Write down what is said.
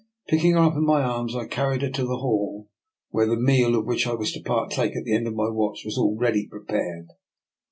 Picking her up in my arms, I carried her to the hall, where the meal of which I was to partake at the end of my watch was already prepared.